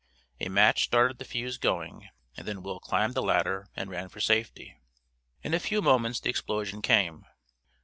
A match started the fuse going, and then Will climbed the ladder and ran for safety. In a few moments the explosion came.